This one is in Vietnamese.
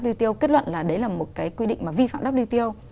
wto kết luận là đấy là một cái quy định mà vi phạm wto